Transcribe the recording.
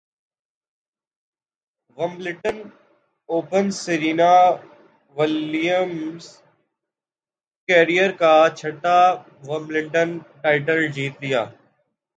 Wimbledon Open Serena ولیمزنےکیرئیر کا چھٹا ومبلڈن ٹائٹل جیت لیا